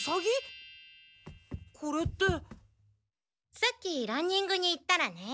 さっきランニングに行ったらね。